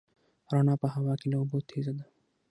رڼا په هوا کې له اوبو تېزه ده.